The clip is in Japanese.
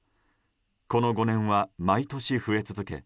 この５年は毎年増え続け